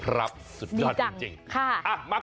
ครับสุดยอดจริงค่ะมาก